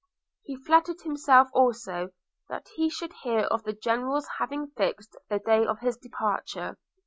He flattered himself also, that he should hear of the General's having fixed the day of his departure.